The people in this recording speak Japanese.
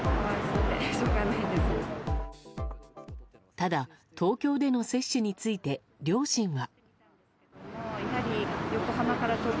ただ、東京での接種について両親は。